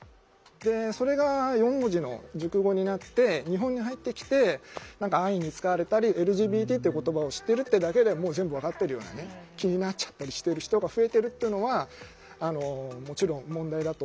それが４文字の熟語になって日本に入ってきて何か安易に使われたりＬＧＢＴっていう言葉を知ってるってだけでもう全部分かってるような気になっちゃったりしてる人が増えてるっていうのはもちろん問題だと思ってます。